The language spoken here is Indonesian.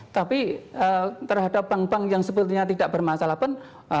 tapi terhadap bank bank yang sepertinya tidak bermasalah pun